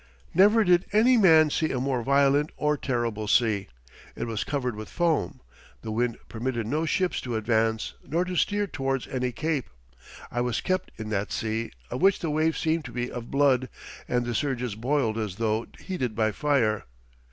Never did any man see a more violent or terrible sea; it was covered with foam, the wind permitted no ships to advance, nor to steer towards any cape; I was kept in that sea, of which the waves seemed to be of blood, and the surges boiled as though heated by fire.